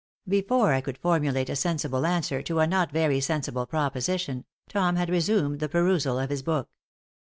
Before I could formulate a sensible answer to a not very sensible proposition Tom had resumed the perusal of his book.